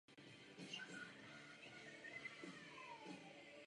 Rimavská Sobota je administrativní a hospodářské středisko okresu a okolí.